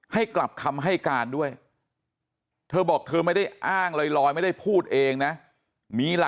ให้กลับคำให้การด้วยเธอบอกเธอไม่ได้อ้างลอยไม่ได้พูดเองนะ